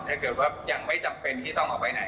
ถ้าเกิดว่ายังไม่จำเป็นที่ต้องออกไปไหน